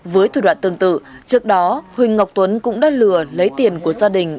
với thủ đoạn tương tự trước đó huỳnh ngọc tuấn cũng đã lừa lấy tiền của gia đình